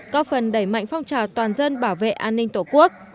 có phần đẩy mạnh phong trào toàn dân bảo vệ an ninh tổ quốc